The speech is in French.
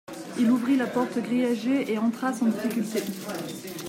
Il ouvrit la porte grillagée et entra sans difficulté.